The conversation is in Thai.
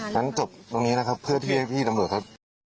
งั้นจบตรงนี้นะครับเพื่อที่ให้พี่ตำรวจครับ